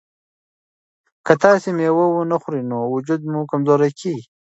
که تاسي مېوه ونه خورئ نو وجود مو کمزوری کیږي.